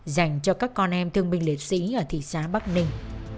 dành cho các con em thương minh liệt sĩ ở thị xá bắc ninh